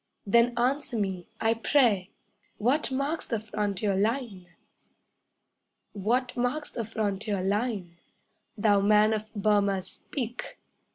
Then answer me, I pray! What marks the frontier line? What marks the frontier line? Thou man of Burmah, speak!